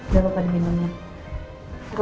gapapa terima kasih